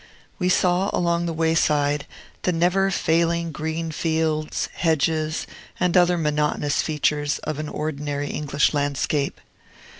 We saw, along the wayside, the never failing green fields, hedges, and other monotonous features of an ordinary English landscape.